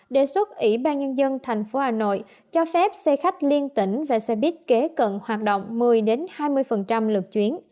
đề xuất ủy ban nhân dân thành phố hà nội cho phép xe khách liên tỉnh và xe buýt kế cận hoạt động một mươi hai mươi lượt chuyến